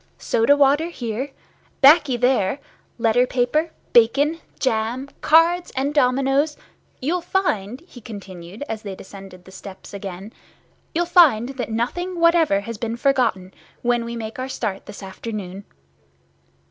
Soda water here—baccy there—letter paper, bacon, jam, cards and dominoes—you'll find," he continued, as they descended the steps again, "you'll find that nothing what ever has been forgotten, when we make our start this afternoon."